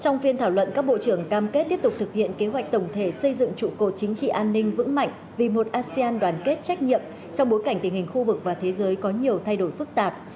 trong phiên thảo luận các bộ trưởng cam kết tiếp tục thực hiện kế hoạch tổng thể xây dựng trụ cột chính trị an ninh vững mạnh vì một asean đoàn kết trách nhiệm trong bối cảnh tình hình khu vực và thế giới có nhiều thay đổi phức tạp